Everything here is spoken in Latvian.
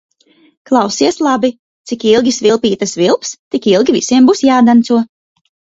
Klausies labi: cik ilgi svilpīte svilps, tik ilgi visiem būs jādanco.